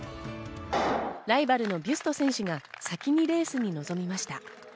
ライバルのビュスト選手が先にレースに臨みました。